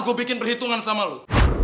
lu bikin perhitungan sama lu